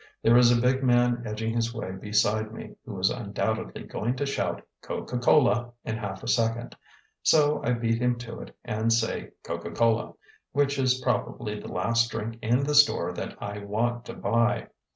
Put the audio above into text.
There is a big man edging his way beside me who is undoubtedly going to shout "Coca Cola" in half a second. So I beat him to it and say, "Coca Cola," which is probably the last drink in the store that I want to buy.